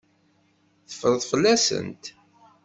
Teffreḍ fell-asent.